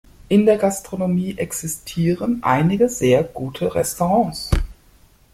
In der Gastronomie existieren einige sehr gute Restaurants.